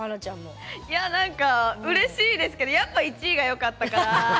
うれしいですけどやっぱ１位がよかったかな。